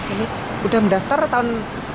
ini udah mendapatkan